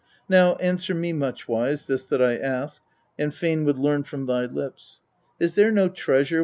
Now answer me, Much wise, this that I ask and fain would learn from thy lips : what is that wall named ?